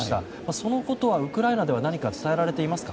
そのことはウクライナでは何か伝えられていますか。